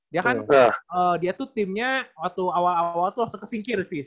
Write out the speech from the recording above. dia kan dia tuh timnya waktu awal awal tuh langsung kesingkir fis